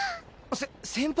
せ先輩！？